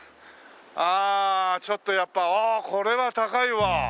ああちょっとやっぱああこれは高いわ。